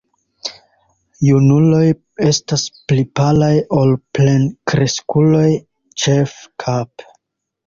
Junuloj estas pli palaj ol plenkreskuloj, ĉefe kape.